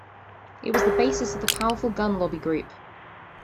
It was the basis of the powerful gun lobby group.